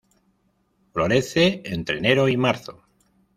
Florece entre enero y marzo.